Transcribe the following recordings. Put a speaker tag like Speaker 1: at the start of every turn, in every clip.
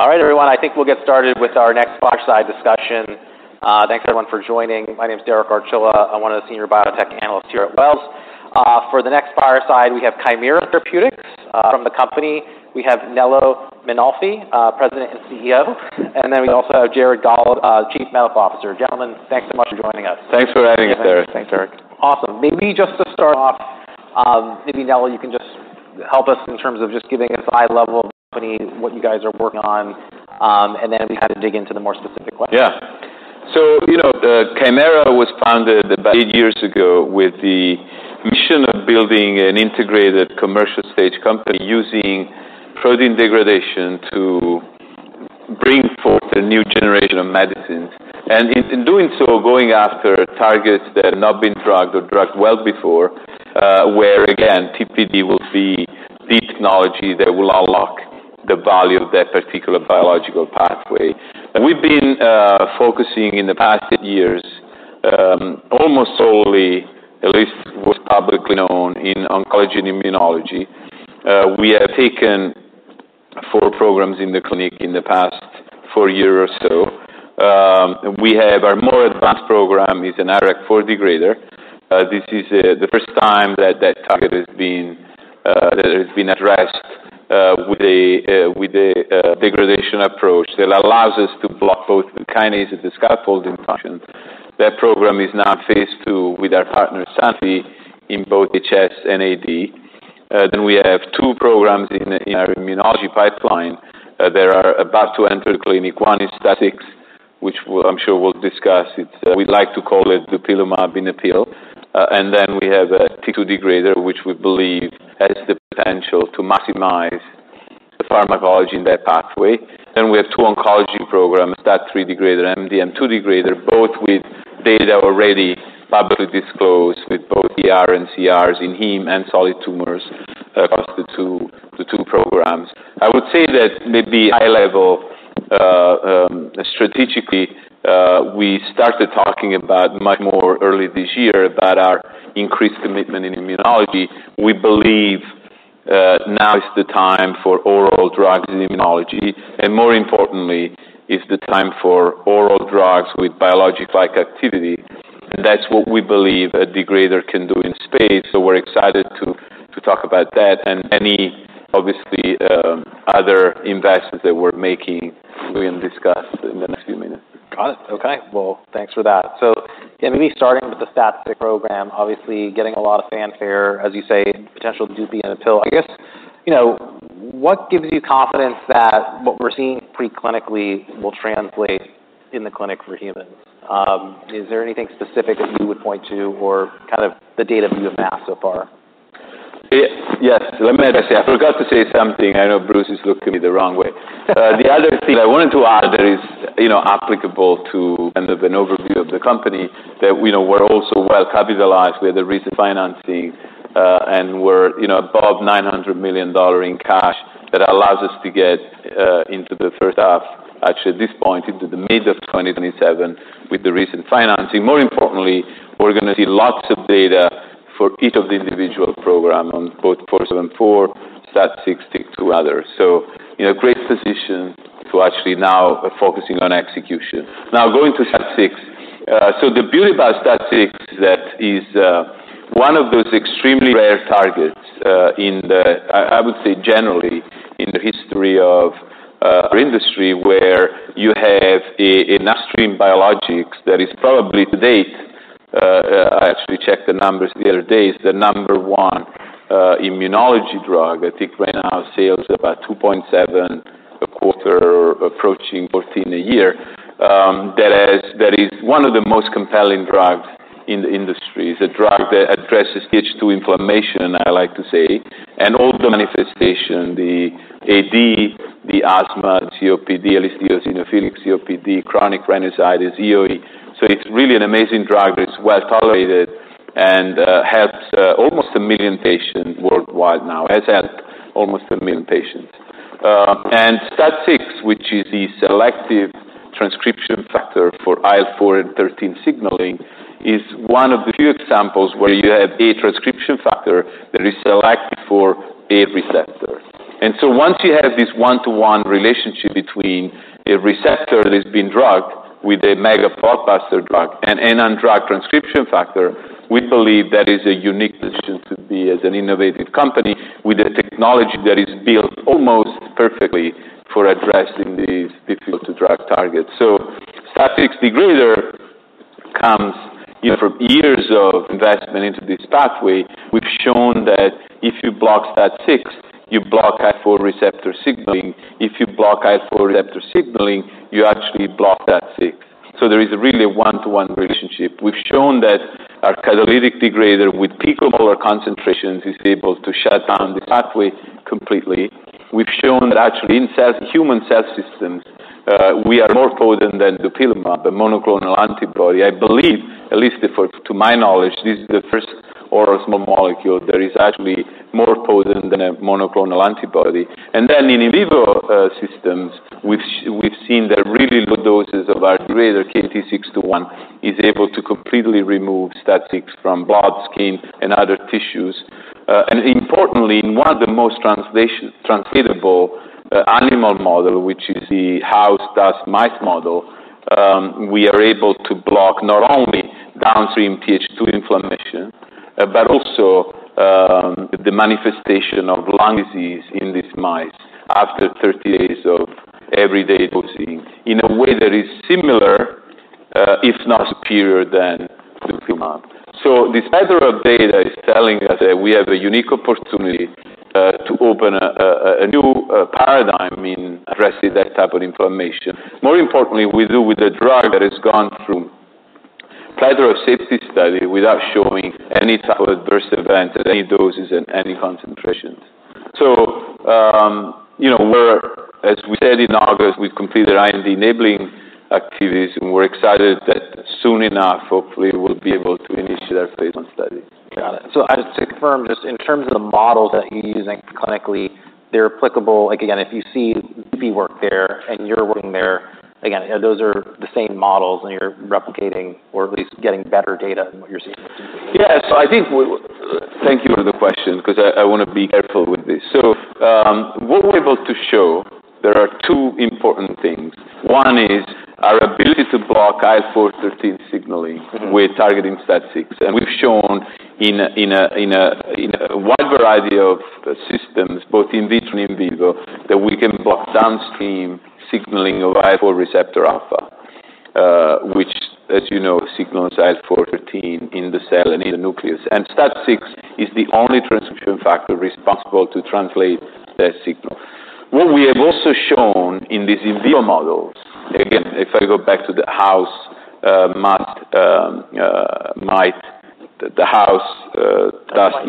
Speaker 1: All right, everyone, I think we'll get started with our next Fireside discussion. Thanks, everyone, for joining. My name is Derek Archilla. I'm one of the senior biotech analysts here at Wells. For the next Fireside, we have Kymera Therapeutics. From the company, we have Nello Mainolfi, President and CEO, and then we also have Jared Gollob, Chief Medical Officer. Gentlemen, thanks so much for joining us.
Speaker 2: Thanks for having us, Derek.
Speaker 3: Thanks, Derek.
Speaker 1: Awesome. Maybe just to start off, maybe, Nello, you can just help us in terms of just giving us high level of the company, what you guys are working on, and then we kind of dig into the more specific questions.
Speaker 2: Yeah. So, you know, Kymera was founded about eight years ago with the mission of building an integrated commercial stage company using protein degradation to bring forth a new generation of medicines. And in doing so, going after targets that have not been drugged or drugged well before, where again, TPD will be the technology that will unlock the value of that particular biological pathway. We've been focusing in the past eight years, almost solely, at least what's publicly known, in oncology and immunology. We have taken four programs in the clinic in the past four years or so. We have our more advanced program is an IRAK4 degrader. This is the first time that target has been addressed with a degradation approach that allows us to block both the kinase and the scaffolding functions. That program is now phase 2 with our partner, Sanofi, in both HS and AD. Then we have two programs in our immunology pipeline. They are about to enter the clinic. One is STAT6, which we'll, I'm sure we'll discuss. It's we'd like to call it Dupilumab in a pill. And then we have a TYK2 degrader, which we believe has the potential to maximize the pharmacology in that pathway. Then we have two oncology programs, STAT3 degrader, MDM2 degrader, both with data already publicly disclosed, with both PR and CRs in heme and solid tumors, across the two programs. I would say that maybe high level, strategically, we started talking about much more early this year about our increased commitment in immunology. We believe, now is the time for oral drugs in immunology, and more importantly, it's the time for oral drugs with biologic-like activity. And that's what we believe a degrader can do in space. So we're excited to talk about that and any, obviously, other investments that we're making, we can discuss in the next few minutes.
Speaker 1: Got it. Okay. Well, thanks for that. So maybe starting with the STAT6 program, obviously getting a lot of fanfare, as you say, potential Dupixent in a pill. I guess, you know, what gives you confidence that what we're seeing pre-clinically will translate in the clinic for humans? Is there anything specific that you would point to or kind of the data we've amassed so far?
Speaker 2: Yes. Let me... I forgot to say something. I know Bruce is looking at me the wrong way. The other thing I wanted to add that is, you know, applicable to kind of an overview of the company, that, you know, we're also well capitalized with the recent financing, and we're, you know, above $900 million in cash. That allows us to get into the first half, actually, at this point, into the mid-2027, with the recent financing. More importantly, we're going to see lots of data for each of the individual program on both 474, STAT6, the two others. So in a great position to actually now focusing on execution. Now, going to STAT6. So the beauty about STAT6 is that is one of those extremely rare targets in the... I would say, generally, in the history of our industry, where you have an upstream biologics that is probably to date, I actually checked the numbers the other day, it's the number one immunology drug. I think right now, sales about $2.7 a quarter, approaching $14 a year. That is one of the most compelling drugs in the industry. It's a drug that addresses Th2 inflammation, I like to say, and all the manifestation, the AD, the asthma, COPD, eosinophilic COPD, chronic sinusitis, EoE. So it's really an amazing drug that's well tolerated and helps almost a million patients worldwide now, has helped almost a million patients. STAT6, which is the selective transcription factor for IL-4 and IL-13 signaling, is one of the few examples where you have a transcription factor that is selected for a receptor. And so once you have this one-to-one relationship between a receptor that has been drugged with a mega blockbuster drug and undrugged transcription factor, we believe that is a unique position to be as an innovative company with a technology that is built almost perfectly for addressing these difficult-to-drug targets. So STAT6 degrader comes, you know, from years of investment into this pathway. We've shown that if you block STAT6, you block IL-4 receptor signaling. If you block IL-4 receptor signaling, you actually block STAT6. So there is really a one-to-one relationship. We've shown that our catalytic degrader with picomolar concentrations is able to shut down the pathway completely. We've shown that actually in human cell systems, we are more potent than the Dupilumab, the monoclonal antibody. I believe, at least to my knowledge, this is the first oral small molecule that is actually more potent than a monoclonal antibody. And then in vivo systems, which we've seen that really good doses of our degrader, KT-621, is able to completely remove STAT6 from blood, skin, and other tissues. And importantly, in one of the most translatable animal model, which is the house dust mite model, we are able to block not only downstream Th2 inflammation, but also, the manifestation of lung disease in these mice after thirty days of every day dosing, in a way that is similar, if not superior, than Dupilumab. So this preclinical data is telling us that we have a unique opportunity to open a new paradigm in addressing that type of inflammation. More importantly, we do with a drug that has gone through preclinical safety study without showing any type of adverse event at any doses and any concentrations. So, you know, we're, as we said in August, we've completed our R&D enabling activities, and we're excited that soon enough, hopefully, we'll be able to initiate our phase I study.
Speaker 1: Got it. So I just to confirm, just in terms of the models that you're using clinically, they're applicable. Like, again, if you see work there and you're working there, again, those are the same models, and you're replicating or at least getting better data than what you're seeing.
Speaker 2: Yes, I think thank you for the question because I wanna be careful with this. So, what we're about to show, there are two important things. One is our ability to block IL-4, IL-13 signaling with targeting STAT6. And we've shown in a wide variety of systems, both in vitro and in vivo, that we can block downstream signaling of IL-4 receptor alpha, which, as you know, signals IL-4, IL-13 in the cell and in the nucleus. And STAT6 is the only transcription factor responsible to translate that signal. What we have also shown in these in vivo models, again, if I go back to the house dust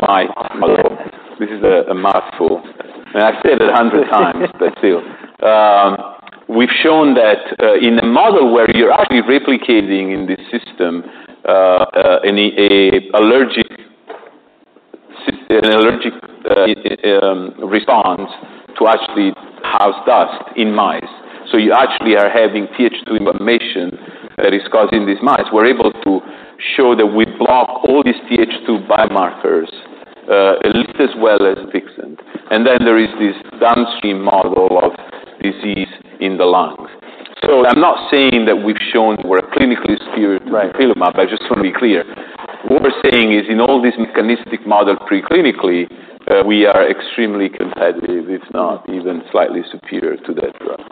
Speaker 2: mite model. This is a mouthful, and I've said it a hundred times, but still. We've shown that in a model where you're actually replicating in this system an allergic response to actually house dust in mice. So you actually are having Th2 inflammation that is causing these mice. We're able to show that we block all these Th2 biomarkers at least as well as Dupixent. And then there is this downstream model of disease in the lungs. So I'm not saying that we've shown we're clinically superior to Dupilumab.
Speaker 1: Right.
Speaker 2: I just want to be clear. What we're saying is, in all these mechanistic models, preclinically, we are extremely competitive, if not even slightly superior to that drug.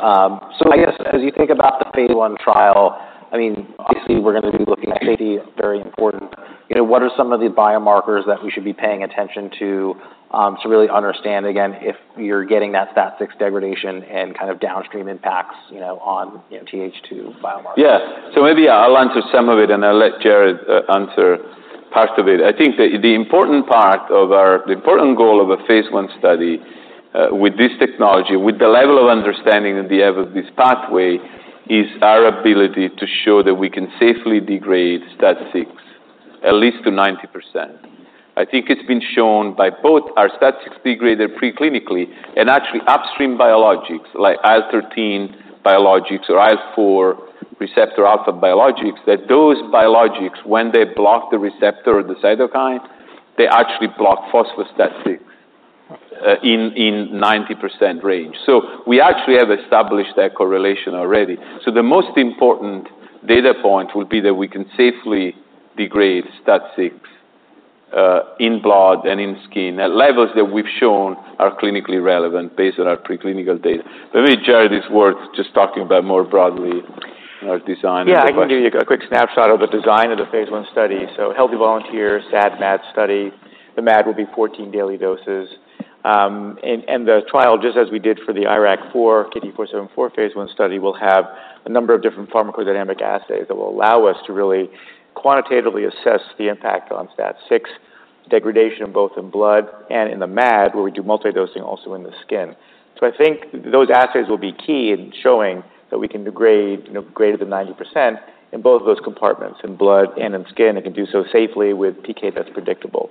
Speaker 1: Awesome. So I guess as you think about the phase I trial, I mean, obviously, we're gonna be looking at safety, very important. You know, what are some of the biomarkers that we should be paying attention to, to really understand, again, if you're getting that STAT6 degradation and kind of downstream impacts, you know, on, you know, Th2 biomarkers?
Speaker 2: Yes. So maybe I'll answer some of it, and I'll let Jared answer part of it. I think the important goal of a phase I study with this technology, with the level of understanding that we have of this pathway, is our ability to show that we can safely degrade STAT6, at least to 90%. I think it's been shown by both our STAT6 degrader preclinically and actually upstream biologics, like IL-13 biologics or IL-4 receptor alpha biologics, that those biologics, when they block the receptor or the cytokine, they actually block phospho-STAT6 in 90% range. So we actually have established that correlation already. So the most important data point would be that we can safely degrade STAT6 in blood and in skin, at levels that we've shown are clinically relevant based on our preclinical data. But maybe, Jared, is worth just talking about more broadly in our design-
Speaker 3: Yeah, I can give you a quick snapshot of the design of the phase I study. So healthy volunteers, SAD, MAD study. The MAD will be 14 daily doses. And the trial, just as we did for the IRAK4, KT-474 phase I study, will have a number of different pharmacodynamic assays that will allow us to really quantitatively assess the impact on STAT6 degradation, both in blood and in the MAD, where we do multi-dosing also in the skin. So I think those assays will be key in showing that we can degrade, you know, greater than 90% in both those compartments, in blood and in skin, and can do so safely with PK that's predictable.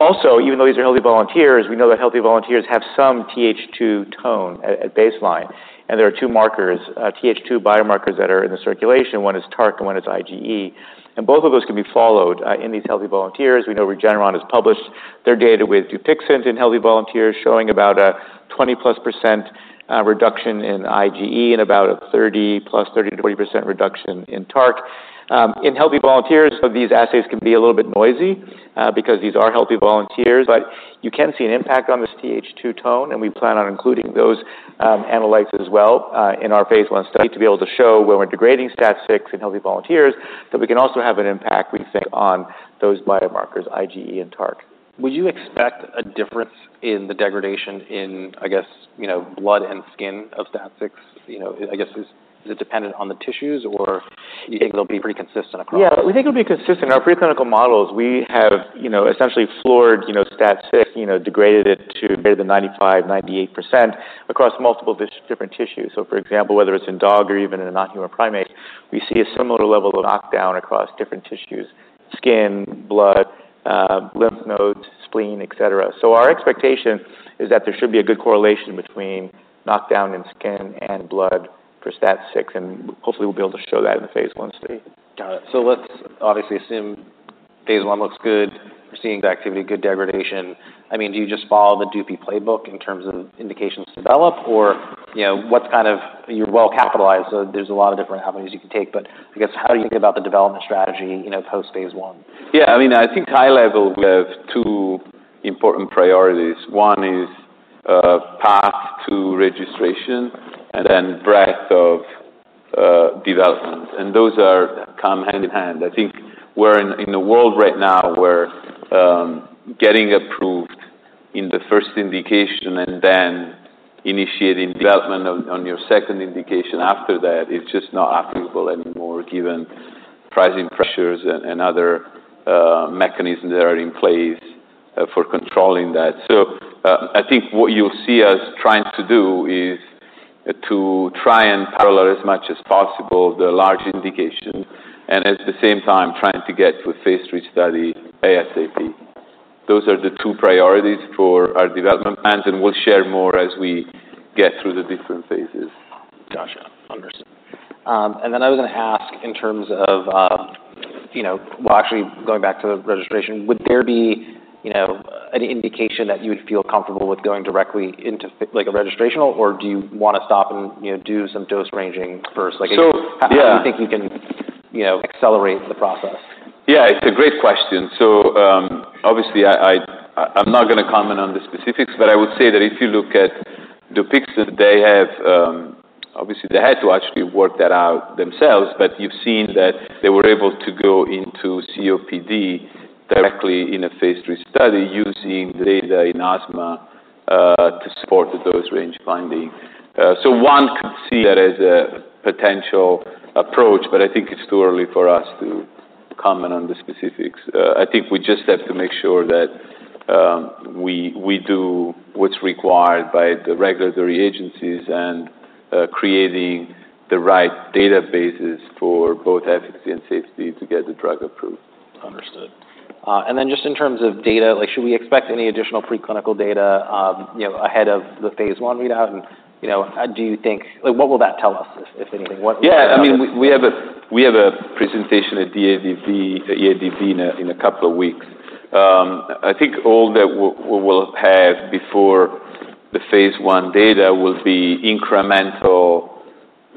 Speaker 3: Also, even though these are healthy volunteers, we know that healthy volunteers have some Th2 tone at baseline, and there are two markers, Th2 biomarkers that are in the circulation. One is TARC, and one is IgE, and both of those can be followed in these healthy volunteers. We know Regeneron has published their data with Dupixent in healthy volunteers, showing about a 20+% reduction in IgE and about a 30%-40% reduction in TARC. In healthy volunteers, so these assays can be a little bit noisy, because these are healthy volunteers, but you can see an impact on this Th2 tone, and we plan on including those analytes as well in our phase I study to be able to show where we're degrading STAT6 in healthy volunteers, that we can also have an impact, we think, on those biomarkers, IgE and TARC.
Speaker 1: Would you expect a difference in the degradation in, I guess, you know, blood and skin of STAT6? You know, I guess, is it dependent on the tissues, or you think it'll be pretty consistent across?
Speaker 3: Yeah, we think it'll be consistent. Our preclinical models, we have, you know, essentially floored, you know, STAT6, you know, degraded it to greater than 95%-98% across multiple different tissues. So for example, whether it's in dog or even in a non-human primate, we see a similar level of knockdown across different tissues: skin, blood, lymph nodes- spleen, et cetera. So our expectation is that there should be a good correlation between knockdown in skin and blood for STAT6, and hopefully we'll be able to show that in the phase I study.
Speaker 1: Got it. So let's obviously assume phase I looks good. We're seeing the activity, good degradation. I mean, do you just follow the Dupi playbook in terms of indications to develop, or, you know, what kind of. You're well capitalized, so there's a lot of different avenues you can take. But I guess, how do you think about the development strategy, you know, post phase I?
Speaker 2: Yeah, I mean, I think high level, we have two important priorities. One is, path to registration and then breadth of, development, and those come hand in hand. I think we're in a world right now where, getting approved in the first indication and then initiating development on your second indication after that, is just not applicable anymore, given pricing pressures and other, mechanisms that are in place, for controlling that. So, I think what you'll see us trying to do is to try and parallel as much as possible, the large indication, and at the same time, trying to get to a phase III study ASAP. Those are the two priorities for our development plans, and we'll share more as we get through the different phases.
Speaker 1: Gotcha. Understood, and then I was gonna ask in terms of, you know... Well, actually going back to the registration, would there be, you know, any indication that you would feel comfortable with going directly into, like, a registrational? Or do you wanna stop and, you know, do some dose ranging first? Like-
Speaker 2: So, yeah.
Speaker 1: How do you think you can, you know, accelerate the process?
Speaker 2: Yeah, it's a great question. So, obviously, I, I'm not gonna comment on the specifics, but I would say that if you look at Dupixent, they have... Obviously, they had to actually work that out themselves, but you've seen that they were able to go into COPD directly in a phase III study, using data in asthma, to support the dose range finding. So one could see that as a potential approach, but I think it's too early for us to comment on the specifics. I think we just have to make sure that, we, we do what's required by the regulatory agencies and, creating the right databases for both efficacy and safety to get the drug approved.
Speaker 1: Understood. And then just in terms of data, like, should we expect any additional preclinical data, you know, ahead of the phase I readout? And, you know, do you think? Like, what will that tell us, if anything? What-
Speaker 2: Yeah, I mean, we have a presentation at the EADV in a couple of weeks. I think all that we will have before the phase I data will be incremental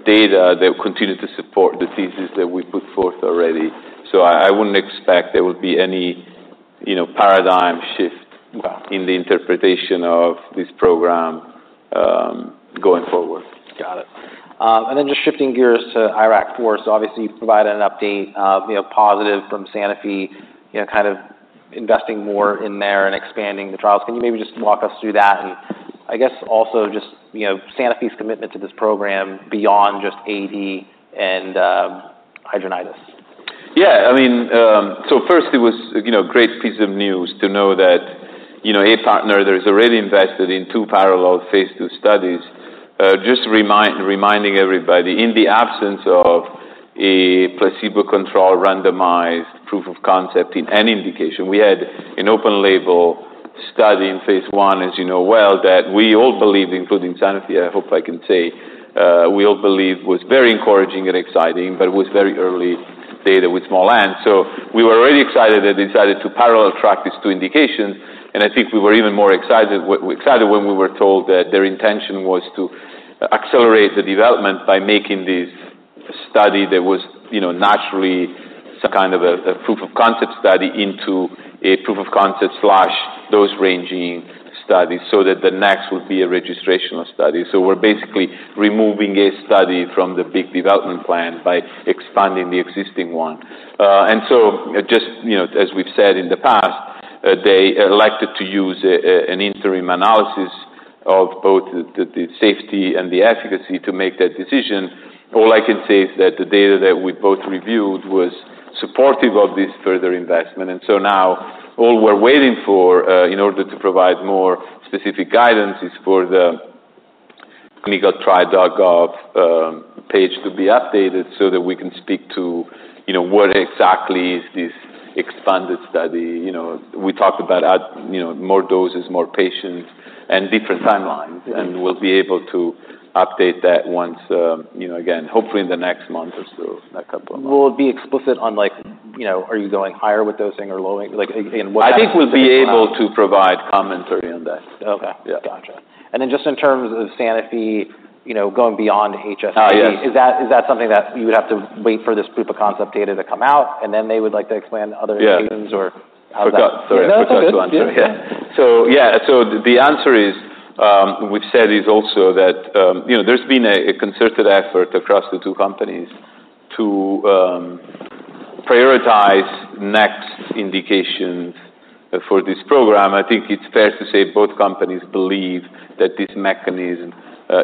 Speaker 2: data that will continue to support the thesis that we put forth already. So I wouldn't expect there would be any, you know, paradigm shift-
Speaker 1: Got it.
Speaker 2: -in the interpretation of this program, going forward.
Speaker 1: Got it. And then just shifting gears to IRAK4. So obviously, you provided an update, you know, positive from Sanofi, you know, kind of investing more in there and expanding the trials. Can you maybe just walk us through that? And I guess also just, you know, Sanofi's commitment to this program beyond just AD and Hidradenitis?
Speaker 2: Yeah, I mean, so first it was, you know, a great piece of news to know that, you know, a partner that has already invested in two parallel phase II studies. Just reminding everybody, in the absence of a placebo-controlled, randomized proof of concept in any indication, we had an open label study in phase I, as you know well, that we all believed, including Sanofi, I hope I can say, we all believe was very encouraging and exciting, but it was very early data with small N. So we were really excited and decided to parallel track these two indications, and I think we were even more excited when we were told that their intention was to accelerate the development by making this study that was, you know, naturally some kind of a proof of concept study into a proof of concept/dose-ranging study, so that the next would be a registrational study. So we're basically removing a study from the big development plan by expanding the existing one. And so just, you know, as we've said in the past, they elected to use an interim analysis of both the safety and the efficacy to make that decision. All I can say is that the data that we both reviewed was supportive of this further investment, and so now all we're waiting for, in order to provide more specific guidance, is for the ClinicalTrials.gov page to be updated so that we can speak to, you know, what exactly is this expanded study. You know, we talked about at, you know, more doses, more patients, and different timelines-
Speaker 1: Yeah.
Speaker 2: - and we'll be able to update that once, you know, again, hopefully in the next month or so, a couple of months.
Speaker 1: Will it be explicit on, like, you know, are you going higher with dosing or lowering? Like, again, what-
Speaker 2: I think we'll be able to provide commentary on that.
Speaker 1: Okay.
Speaker 2: Yeah.
Speaker 1: Gotcha, and then just in terms of Sanofi, you know, going beyond HS-
Speaker 2: Ah, yes.
Speaker 1: Is that something that you would have to wait for this proof of concept data to come out, and then they would like to expand to other indications-
Speaker 2: Yeah.
Speaker 1: -or how does that-
Speaker 2: Forgot. Sorry, I forgot to answer.
Speaker 1: Yeah, that's good. Yeah.
Speaker 2: So yeah. The answer is, we've said is also that, you know, there's been a concerted effort across the two companies to prioritize next indications for this program. I think it's fair to say both companies believe that this mechanism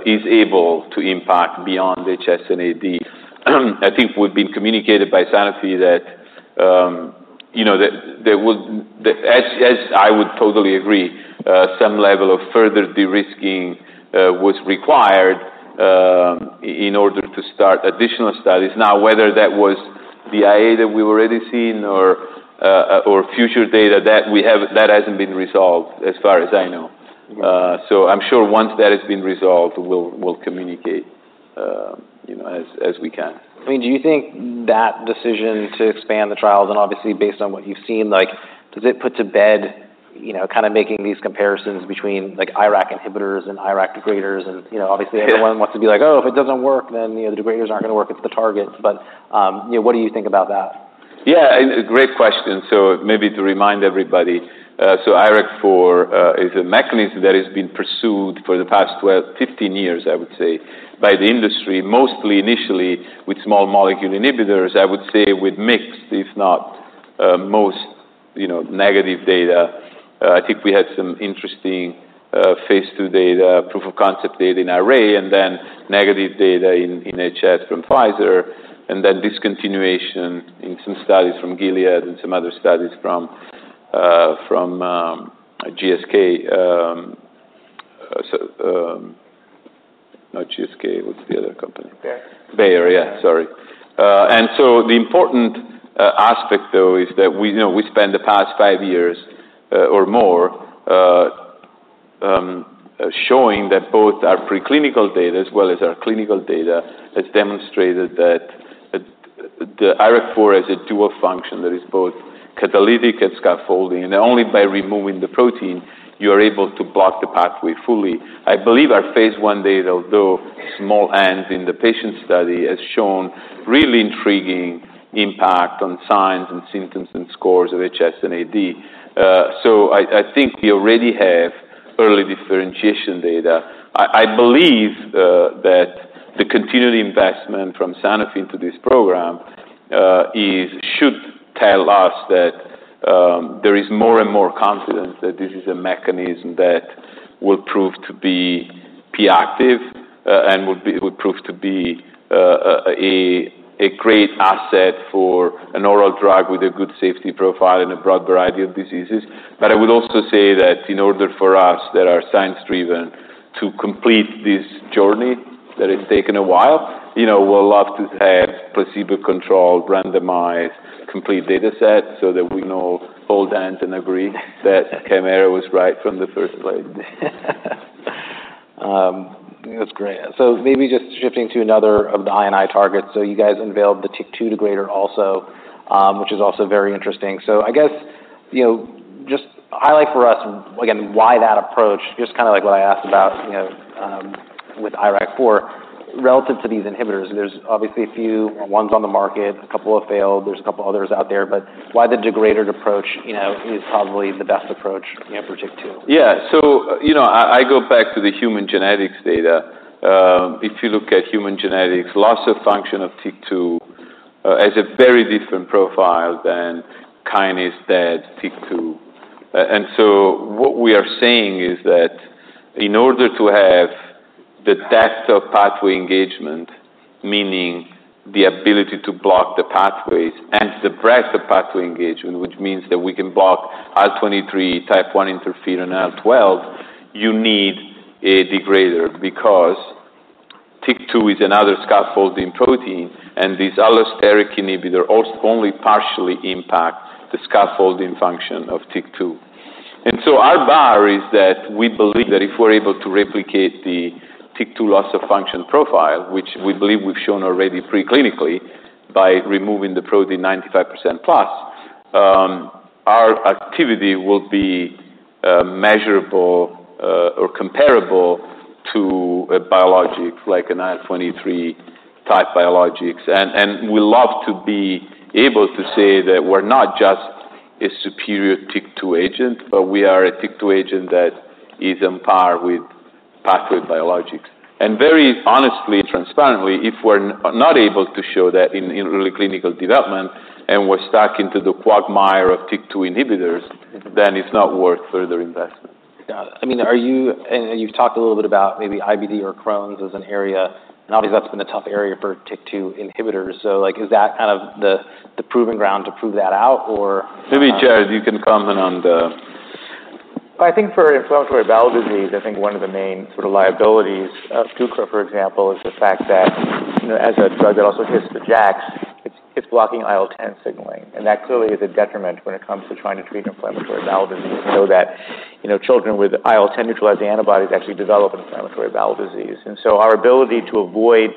Speaker 2: is able to impact beyond HS and AD. I think we've been communicated by Sanofi that, you know, that there would. As I would totally agree, some level of further de-risking was required in order to start additional studies. Now, whether that was the IA that we've already seen or future data that we have, that hasn't been resolved as far as I know. So I'm sure once that has been resolved, we'll communicate, you know, as we can.
Speaker 1: I mean, do you think that decision to expand the trials and obviously based on what you've seen, like, does it put to bed, you know, kind of making these comparisons between, like, IRAK inhibitors and IRAK degraders? And, you know, obviously-
Speaker 2: Yeah
Speaker 1: Everyone wants to be like: "Oh, if it doesn't work, then, you know, the degraders aren't gonna work. It's the target." But, you know, what do you think about that?
Speaker 2: Yeah, and a great question. So maybe to remind everybody, IRAK4 is a mechanism that has been pursued for the past 12 to 15 years, I would say, by the industry, mostly initially with small molecule inhibitors. I would say with mixed, if not, most, you know, negative data. I think we had some interesting phase II data, proof of concept data in RA, and then negative data in HS from Pfizer, and then discontinuation in some studies from Gilead and some other studies from GSK. So, not GSK, what's the other company?
Speaker 1: Bayer.
Speaker 2: Bayer, yeah, sorry. And so the important aspect, though, is that we know we spent the past five years, or more, showing that both our preclinical data as well as our clinical data has demonstrated that the IRAK4 has a dual function that is both catalytic and scaffolding, and only by removing the protein, you are able to block the pathway fully. I believe our phase I data, although small n in the patient study, has shown really intriguing impact on signs and symptoms and scores of HS and AD. So I think we already have early differentiation data. I believe that the continued investment from Sanofi into this program should tell us that there is more and more confidence that this is a mechanism that will prove to be pivotal and would prove to be a great asset for an oral drug with a good safety profile and a broad variety of diseases, but I would also say that in order for us that are science driven to complete this journey, that it's taken a while, you know, we'd love to have placebo-controlled, randomized, complete data set so that we can hold hands and agree that Kymera was right from the first place.
Speaker 1: That's great. So maybe just shifting to another of the I&I targets. So you guys unveiled the TYK2 degrader also, which is also very interesting. So I guess, you know, just highlight for us, again, why that approach? Just kinda like what I asked about, you know, with IRAK4, relative to these inhibitors. There's obviously a few ones on the market, a couple have failed, there's a couple others out there, but why the degrader approach, you know, is probably the best approach for TYK2?
Speaker 2: Yeah, so you know, I go back to the human genetics data. If you look at human genetics, loss of function of TYK2 has a very different profile than kinase dead TYK2, and so what we are saying is that in order to have the depth of pathway engagement, meaning the ability to block the pathways and suppress the pathway engagement, which means that we can block IL-23, type I interferon, and IL-12, you need a degrader, because TYK2 is another scaffolding protein, and this allosteric inhibitor only partially impacts the scaffolding function of TYK2. And so our bar is that we believe that if we're able to replicate the TYK2 loss-of-function profile, which we believe we've shown already preclinically by removing the protein 95% plus, our activity will be measurable or comparable to a biologic like an IL-23 type biologics. And we love to be able to say that we're not just a superior TYK2 agent, but we are a TYK2 agent that is on par with pathway biologics. And very honestly, transparently, if we're not able to show that in early clinical development, and we're stuck into the quagmire of TYK2 inhibitors, then it's not worth further investment.
Speaker 1: Got it. I mean, are you... And you've talked a little bit about maybe IBD or Crohn's as an area, and obviously, that's been a tough area for TYK2 inhibitors. So, like, is that kind of the proving ground to prove that out, or?
Speaker 2: Maybe, Jared, you can comment on the-
Speaker 3: I think for inflammatory bowel disease, I think one of the main sort of liabilities of TYK2, for example, is the fact that, you know, as a drug, it also hits the JAKs. It's blocking IL-10 signaling, and that clearly is a detriment when it comes to trying to treat inflammatory bowel disease. We know that, you know, children with IL-10 neutralizing antibodies actually develop inflammatory bowel disease. And so our ability to avoid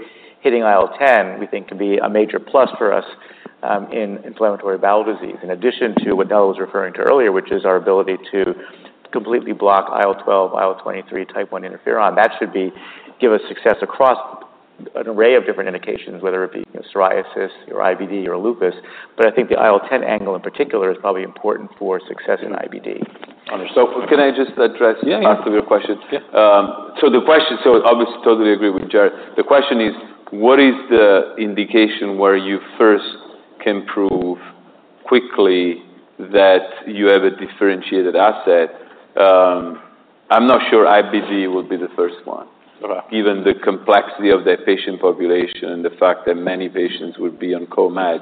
Speaker 3: hitting IL-10, we think, could be a major plus for us in inflammatory bowel disease. In addition to what Nello was referring to earlier, which is our ability to completely block IL-12, IL-23, type I interferon. That should be... give us success across an array of different indications, whether it be psoriasis or IBD or lupus. But I think the IL-10 angle in particular is probably important for success in IBD.
Speaker 2: So can I just address-
Speaker 1: Yeah, yeah
Speaker 2: Part of your question?
Speaker 1: Yeah.
Speaker 2: Obviously, totally agree with Jared. The question is, what is the indication where you first can prove quickly that you have a differentiated asset? I'm not sure IBD will be the first one.
Speaker 1: Right.
Speaker 2: Given the complexity of that patient population and the fact that many patients would be on co-med.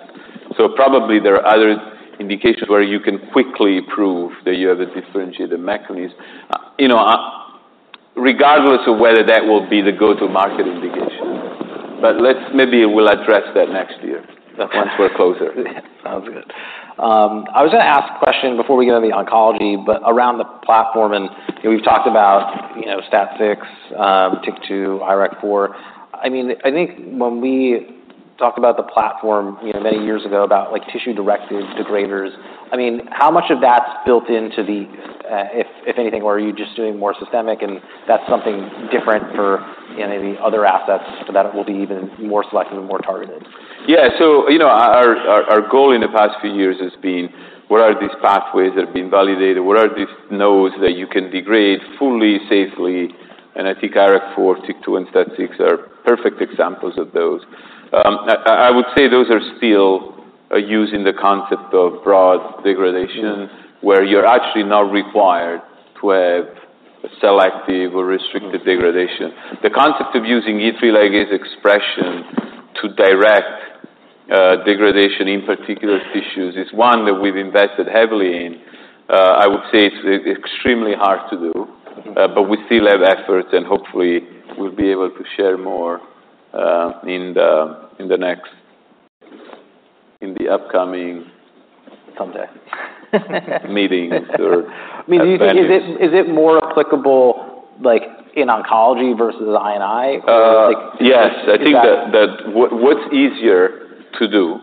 Speaker 2: So probably there are other indications where you can quickly prove that you have a differentiated mechanism. You know, regardless of whether that will be the go-to-market indication. But let's maybe we'll address that next year, once we're closer.
Speaker 1: Sounds good. I was gonna ask a question before we get on the oncology, but around the platform, and, you know, we've talked about, you know, STAT6, TYK2, IRAK4. I mean, I think when we talked about the platform, you know, many years ago, about, like, tissue-directed degraders, I mean, how much of that's built into the, if anything, or are you just doing more systemic, and that's something different for, you know, the other assets, so that it will be even more selective and more targeted?
Speaker 2: Yeah. So, you know, our goal in the past few years has been, what are these pathways that have been validated? What are these nodes that you can degrade fully, safely? And I think IRAK4, TYK2, and STAT6 are perfect examples of those. I would say those are still using the concept of broad degradation-
Speaker 1: Mm-hmm.
Speaker 2: -where you're actually not required to have a selective or restricted degradation. The concept of using E3 ligase expression to direct degradation in particular tissues is one that we've invested heavily in. I would say it's extremely hard to do.
Speaker 1: Mm-hmm.
Speaker 2: but we still have efforts, and hopefully we'll be able to share more in the upcoming-
Speaker 1: Someday.
Speaker 2: meetings or events.
Speaker 1: I mean, is it more applicable, like, in oncology versus I and I? Or like-
Speaker 2: Uh, yes.
Speaker 1: Is that-
Speaker 2: I think that what's easier to do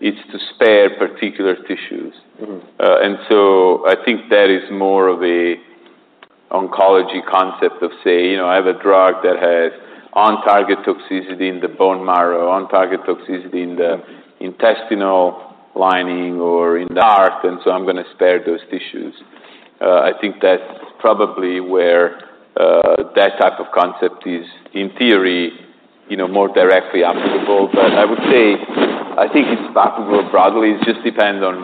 Speaker 2: is to spare particular tissues.
Speaker 1: Mm-hmm.
Speaker 2: And so I think that is more of an oncology concept of, say, you know, I have a drug that has on-target toxicity in the bone marrow, on-target toxicity in the intestinal lining or in the heart, and so I'm gonna spare those tissues. I think that's probably where that type of concept is, in theory, you know, more directly applicable, but I would say I think it's applicable broadly. It just depends on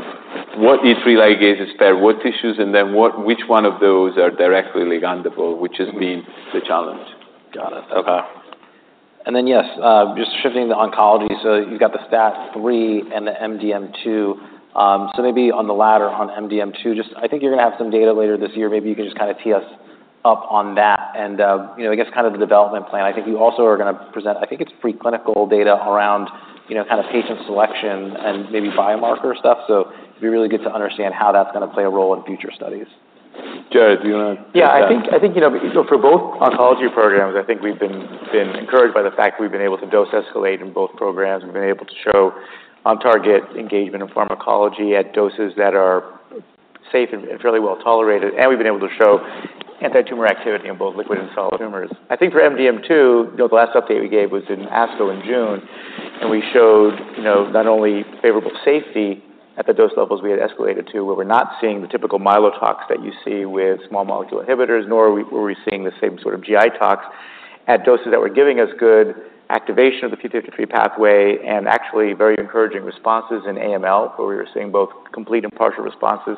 Speaker 2: what E3 ligase is spare, what tissues, and then what, which one of those are directly ligandable, which just means the challenge.
Speaker 1: Got it. Okay. And then, yes, just shifting to oncology. So you've got the STAT3 and the MDM2. So maybe on the latter, on MDM2, just I think you're gonna have some data later this year. Maybe you can just kind of tee us up on that and, you know, I guess, kind of the development plan. I think you also are gonna present, I think it's preclinical data around, you know, kind of patient selection and maybe biomarker stuff. So it'd be really good to understand how that's gonna play a role in future studies.
Speaker 2: Jared, do you wanna take that?
Speaker 3: Yeah, I think, you know, so for both oncology programs, I think we've been encouraged by the fact that we've been able to dose escalate in both programs and been able to show on-target engagement in pharmacology at doses that are safe and fairly well tolerated, and we've been able to show antitumor activity in both liquid and solid tumors. I think for MDM2, the last update we gave was in ASCO in June, and we showed, you know, not only favorable safety at the dose levels we had escalated to, where we're not seeing the typical myelotox that you see with small molecule inhibitors, nor were we seeing the same sort of GI tox at doses that were giving us good activation of the p53 pathway and actually very encouraging responses in AML, where we were seeing both complete and partial responses,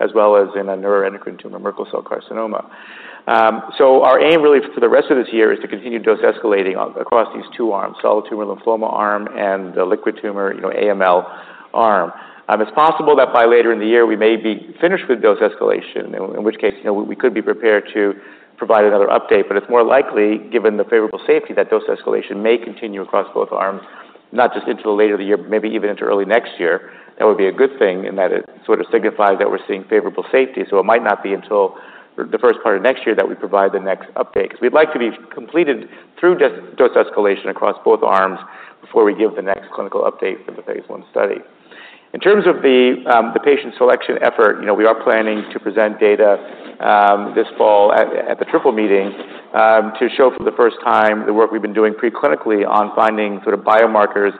Speaker 3: as well as in a neuroendocrine tumor, Merkel cell carcinoma. So our aim really for the rest of this year is to continue dose escalating on across these two arms, solid tumor lymphoma arm and the liquid tumor, you know, AML arm. It's possible that by later in the year, we may be finished with dose escalation, in which case, you know, we could be prepared to provide another update. But it's more likely, given the favorable safety, that dose escalation may continue across both arms, not just into the later part of the year, but maybe even into early next year. That would be a good thing, and that it sort of signifies that we're seeing favorable safety. So it might not be until the first part of next year that we provide the next update. 'Cause we'd like to be completed through dose escalation across both arms before we give the next clinical update for the phase I study. In terms of the patient selection effort, you know, we are planning to present data this fall at the Triple Meeting to show for the first time the work we've been doing preclinically on finding sort of biomarkers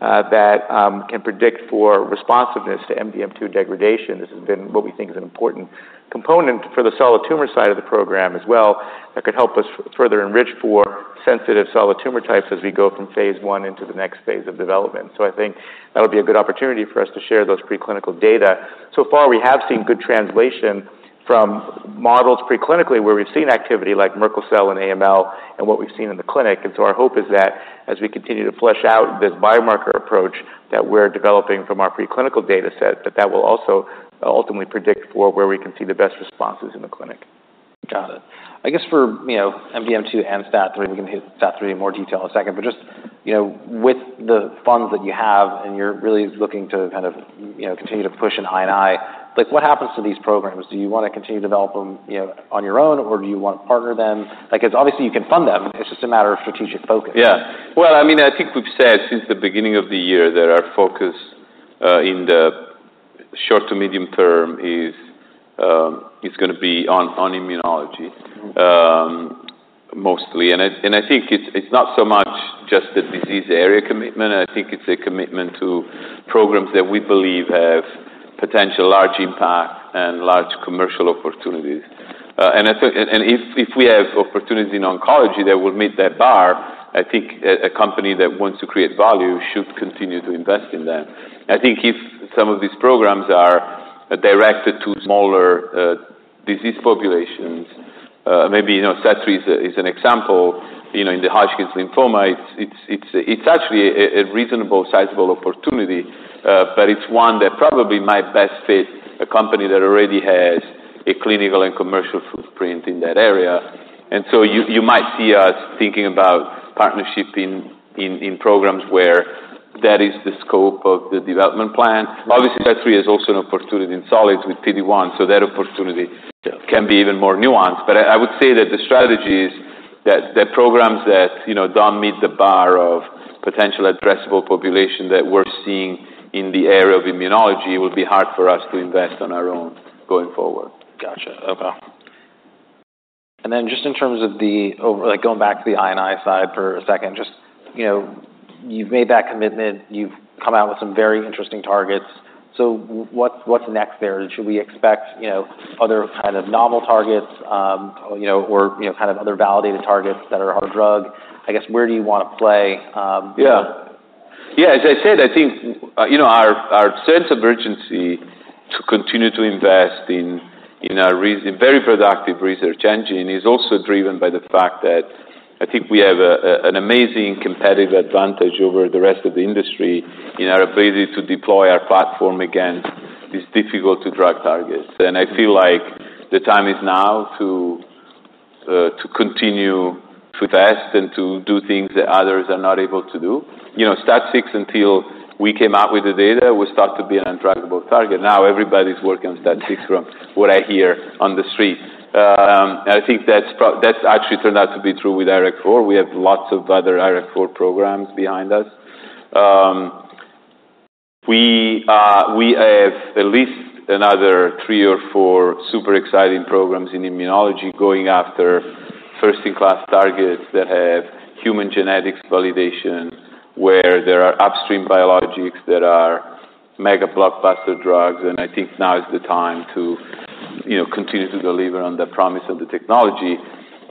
Speaker 3: that can predict for responsiveness to MDM2 degradation. This has been what we think is an important component for the solid tumor side of the program as well, that could help us further enrich for sensitive solid tumor types as we go from phase I into the next phase of development. So I think that'll be a good opportunity for us to share those preclinical data. So far, we have seen good translation from models preclinically, where we've seen activity like Merkel cell and AML and what we've seen in the clinic. Our hope is that as we continue to flesh out this biomarker approach that we're developing from our preclinical data set, that that will also ultimately predict for where we can see the best responses in the clinic.
Speaker 1: Got it. I guess for, you know, MDM2 and STAT3, we can hit STAT3 in more detail in a second, but just, you know, with the funds that you have and you're really looking to kind of, you know, continue to push in I and I, like, what happens to these programs? Do you wanna continue to develop them, you know, on your own, or do you want to partner them? Like, it's obviously you can fund them. It's just a matter of strategic focus.
Speaker 2: Yeah. Well, I mean, I think we've said since the beginning of the year that our focus in the short to medium term is gonna be on immunology mostly. And I think it's not so much just a disease area commitment. I think it's a commitment to programs that we believe have potential large impact and large commercial opportunities. And if we have opportunities in oncology that will meet that bar, I think a company that wants to create value should continue to invest in that. I think if some of these programs are directed to smaller disease populations, maybe, you know, STAT3 is an example. You know, in the Hodgkin's lymphoma, it's actually a reasonable, sizable opportunity, but it's one that probably might best fit-... a company that already has a clinical and commercial footprint in that area. And so you might see us thinking about partnership in programs where that is the scope of the development plan. Obviously, STAT3 is also an opportunity in solids with PD-1, so that opportunity-
Speaker 1: Sure.
Speaker 2: can be even more nuanced. But I would say that the strategy is that the programs that, you know, don't meet the bar of potential addressable population that we're seeing in the area of immunology, will be hard for us to invest on our own going forward.
Speaker 1: Gotcha. Okay. And then just in terms of, like, going back to the I&I side for a second, just, you know, you've made that commitment, you've come out with some very interesting targets. So what's next there? Should we expect, you know, other kind of novel targets, you know, or, you know, kind of other validated targets that are on drug? I guess, where do you want to play.
Speaker 2: Yeah. Yeah, as I said, I think, you know, our sense of urgency to continue to invest in our very productive research engine is also driven by the fact that I think we have an amazing competitive advantage over the rest of the industry in our ability to deploy our platform against these difficult to drug targets. I feel like the time is now to continue to test and to do things that others are not able to do. You know, STAT6, until we came out with the data, was thought to be an undruggable target. Now, everybody's working on STAT6 from what I hear on the street. And I think that's actually turned out to be true with IRAK4. We have lots of other IRAK4 programs behind us. We have at least another three or four super exciting programs in immunology, going after first-in-class targets that have human genetics validation, where there are upstream biologics that are mega blockbuster drugs, and I think now is the time to, you know, continue to deliver on the promise of the technology.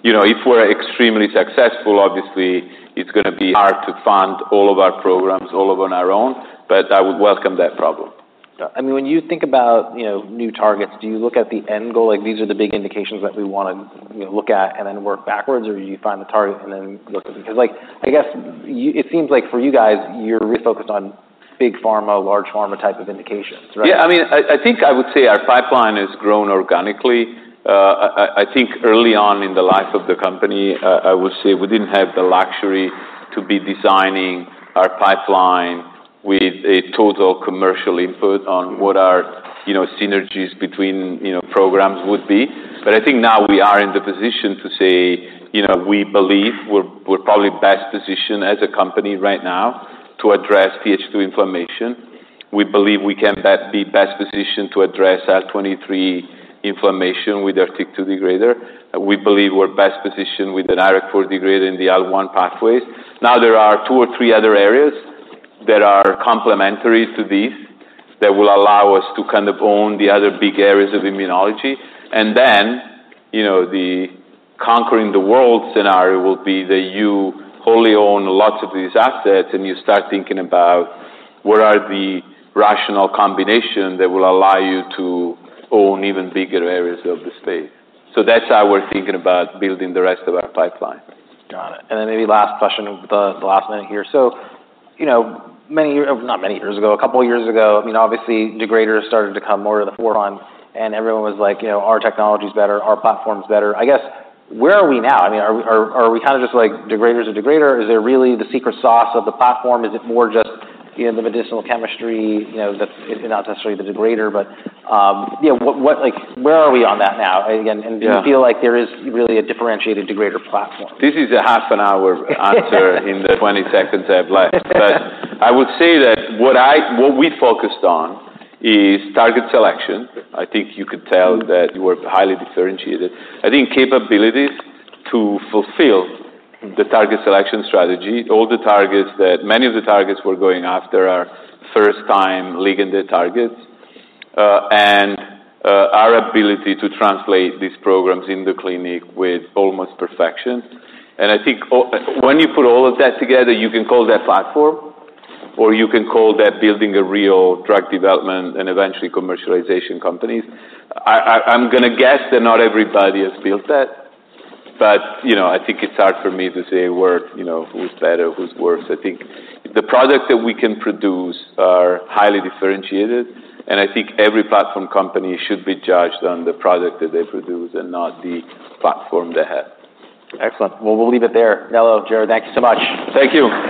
Speaker 2: You know, if we're extremely successful, obviously, it's gonna be hard to fund all of our programs all over on our own, but I would welcome that problem.
Speaker 1: Yeah. I mean, when you think about, you know, new targets, do you look at the end goal? Like, these are the big indications that we wanna, you know, look at and then work backwards, or you find the target and then look at it? Because, like, I guess it seems like for you guys, you're really focused on big pharma, large pharma type of indications, right?
Speaker 2: Yeah, I mean, I think I would say our pipeline has grown organically. I think early on in the life of the company, I would say we didn't have the luxury to be designing our pipeline with a total commercial input on what our, you know, synergies between, you know, programs would be. But I think now we are in the position to say, you know, we believe we're, we're probably best positioned as a company right now to address Th2 inflammation. We believe we can best positioned to address IL-23 inflammation with our TYK2 degrader. We believe we're best positioned with an IRAK4 degrader in the IL-1 pathways. Now, there are two or three other areas that are complementary to these, that will allow us to kind of own the other big areas of immunology. And then, you know, the conquering the world scenario will be that you wholly own lots of these assets, and you start thinking about what are the rational combination that will allow you to own even bigger areas of the space. So that's how we're thinking about building the rest of our pipeline.
Speaker 1: Got it. And then maybe last question, the last minute here. So, you know, not many years ago, a couple of years ago, I mean, obviously, degraders started to come more to the forefront, and everyone was like, "You know, our technology's better, our platform's better." I guess, where are we now? I mean, are we kind of just like, degraders or degrader? Is there really the secret sauce of the platform? Is it more just, you know, the medicinal chemistry, you know, that's not necessarily the degrader, but, yeah, what... Like, where are we on that now? Again-
Speaker 2: Yeah.
Speaker 1: And do you feel like there is really a differentiated degrader platform?
Speaker 2: This is a half an hour answer in the twenty seconds I have left. But I would say that what we focused on is target selection. I think you could tell that we're highly differentiated. I think capabilities to fulfill the target selection strategy, all the targets that many of the targets we're going after are first-time liganded targets, and our ability to translate these programs in the clinic with almost perfection. And I think when you put all of that together, you can call that platform, or you can call that building a real drug development and eventually commercialization companies. I'm gonna guess that not everybody has built that, but you know, I think it's hard for me to say where, you know, who's better, who's worse. I think the products that we can produce are highly differentiated, and I think every platform company should be judged on the product that they produce and not the platform they have.
Speaker 1: Excellent. Well, we'll leave it there. Nello, Jared, thank you so much.
Speaker 2: Thank you.